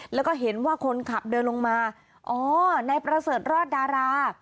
แล้วก็เห็นว่าคนขับเดินลงมาอ๋อนายประเสริฐรอดดารา